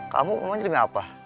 kamu memang demi apa